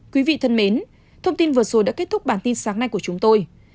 quý vị thân mến thông tin vừa rồi đã kết thúc bản tin sáng nay của chúng tôi